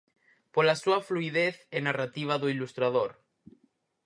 Pola súa fluidez e narrativa do ilustrador.